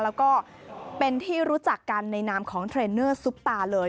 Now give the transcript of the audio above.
แล้วก็เป็นที่รู้จักกันในนามของเทรนเนอร์ซุปตาเลย